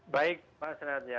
baik pak senadri